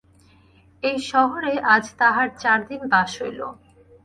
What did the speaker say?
এই শহরে আজ তাঁহার চার দিন বাস হইল।